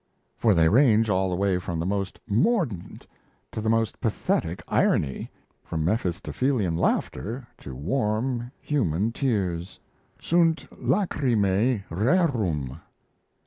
For they range all the way from the most mordant to the most pathetic irony from Mephistophelean laughter to warm, human tears: "_Sunt lachrymae rerum.